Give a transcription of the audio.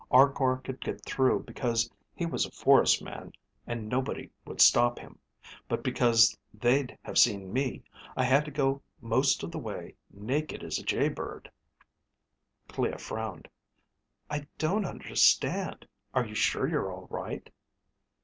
Arkor could get through because he was a forest man and nobody would stop him. But because they'd have seen me, I had to go most of the way naked as a jaybird." Clea frowned. "I don't understand. Are you sure you're all right?"